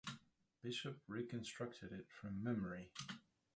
Bishop reconstructed it from memory.